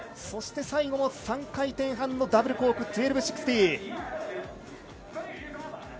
そして最後の３回転半のダブルコーク１２６０。